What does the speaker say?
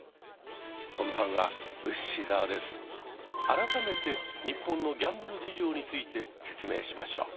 改めて日本のギャンブル事情について説明しましょう。